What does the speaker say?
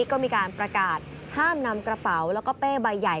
ก็มีการประกาศห้ามนำกระเป๋าแล้วก็เป้ใบใหญ่